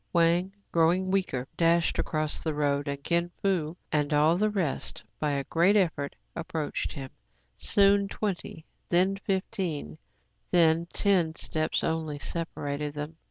Wang, growing weaker, dashed across the road ; and Kin Fo and the rest, by a great effort, ap proached him. Soon twenty, then fifteen, then ten steps only, separated them.